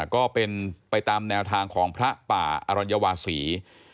ก็เป็นไปตามแนวทางของพระป่าอรัญวาศี